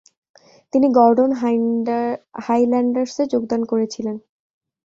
তিনি গর্ডন হাইল্যান্ডার্সে যোগদান করেছিলেন।